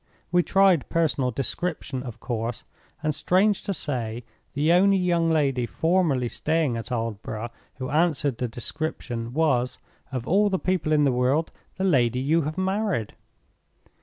We tried personal description of course; and strange to say, the only young lady formerly staying at Aldborough who answered the description was, of all the people in the world, the lady you have married!